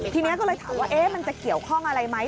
ทีนี้ก็เลยถามว่ามันจะเกี่ยวข้องอะไรไหม